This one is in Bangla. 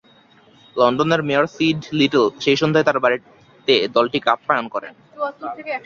লন্ডনের মেয়র সিড লিটল সেই সন্ধ্যায় তার বাড়িতে দলটিকে আপ্যায়ন করেন।